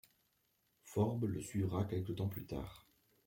Forbes le suivra quelque temps plus tard.